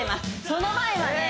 その前はね